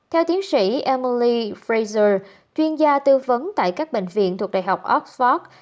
theo tiến sĩ emoly fraser chuyên gia tư vấn tại các bệnh viện thuộc đại học oxford